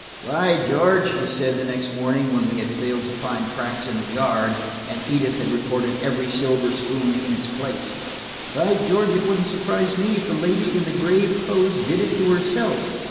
"By George," he said the next morning when we had failed to find tracks in the yard, and Edith had reported every silver spoon in its place, "by George, it wouldn't surprise me if the lady in the grave clothes did it to herself.